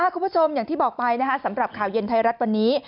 คุณผู้ชมอย่างที่บอกไปสำหรับข่าวเย็นไทยรัฐวันนี้